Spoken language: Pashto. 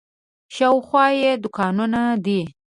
شاوخوا یې دوکانونه دي.